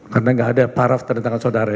karena gak ada paraf terdentang saudara ya